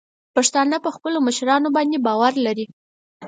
پښتانه په خپلو مشرانو باندې باور لري.